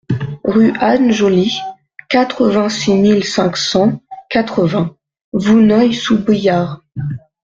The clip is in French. Rue Anne Jolly, quatre-vingt-six mille cinq cent quatre-vingts Vouneuil-sous-Biard